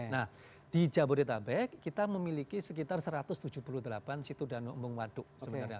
nah di jabodetabek kita memiliki sekitar satu ratus tujuh puluh delapan situ danau embung waduk sebenarnya